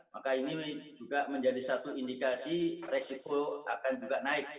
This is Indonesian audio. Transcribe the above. maka ini juga menjadi satu indikasi resiko akan juga naik